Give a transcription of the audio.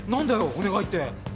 お願いって。